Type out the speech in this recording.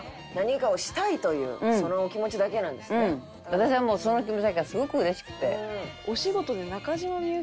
私はもうその気持ちだけがすごく嬉しくて。